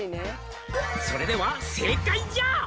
「それでは正解じゃ」